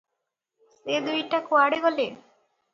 ସେ ଦୁଇଟା କୁଆଡ଼େ ଗଲେ?